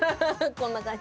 こんな感じ？